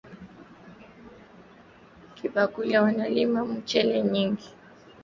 Kibangula wana limaka muchele mingi